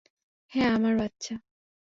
হ্যাঁঁ আমার বাচ্চা।